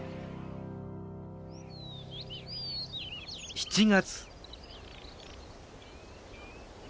７月。